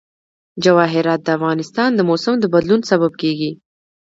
جواهرات د افغانستان د موسم د بدلون سبب کېږي.